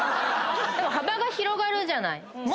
でも幅が広がるじゃない。